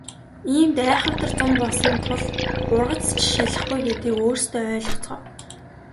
Иймд айхавтар зун болсон тул ургац ч шалихгүй гэдгийг өөрсдөө ойлгоцгоо.